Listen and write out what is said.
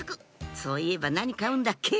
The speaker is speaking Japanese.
そういえば何買うんだっけ？